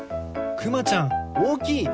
くまちゃんおおきい！